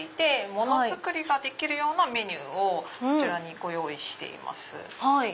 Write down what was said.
物作りができるようなメニューをこちらにご用意しています。